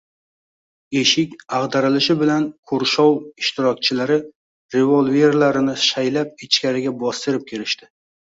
Eshik ag`darilishi bilan qurshov ishtirokchilari revolverlarini shaylab ichkariga bostirib kirishdi